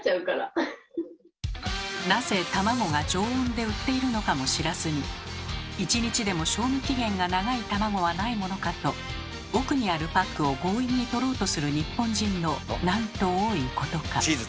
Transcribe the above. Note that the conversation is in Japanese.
なぜ卵が常温で売っているのかも知らずに１日でも賞味期限が長い卵はないものかと奥にあるパックを強引に取ろうとする日本人のなんと多いことか。